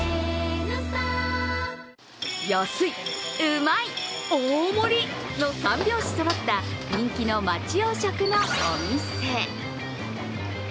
安い、うまい、大盛りの３拍子そろった人気の町洋食のお店。